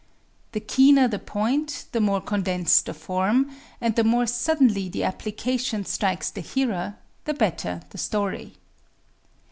The keener the point, the more condensed the form, and the more suddenly the application strikes the hearer, the better the story.